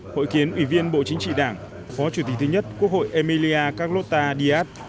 hội kiến ủy viên bộ chính trị đảng phó chủ tịch thứ nhất quốc hội emilia caglota díaz